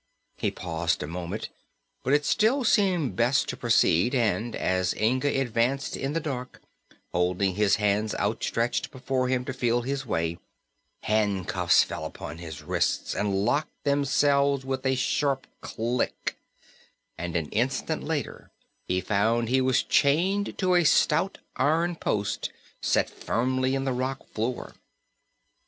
He paused a moment, but it still seemed best to proceed, and as Inga advanced in the dark, holding his hands outstretched before him to feel his way, handcuffs fell upon his wrists and locked themselves with a sharp click, and an instant later he found he was chained to a stout iron post set firmly in the rock floor.